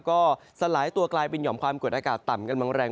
ก็สลายตัวกลายเป็นหย่อมความกดอากาศต่ำกำลังแรง